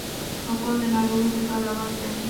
غول د ناروغۍ د پیل اواز وي.